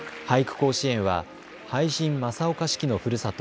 甲子園は俳人、正岡子規のふるさと